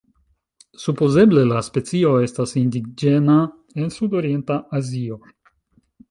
Supozeble la specio estas indiĝena en sud-orienta Azio.